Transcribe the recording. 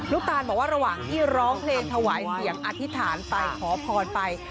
ตานบอกว่าระหว่างที่ร้องเพลงถวายเสียงอธิษฐานไปขอพรไป